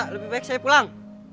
lebih baik saya pulang